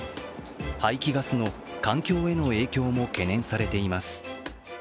排気ガスの環境への影響も懸念されています。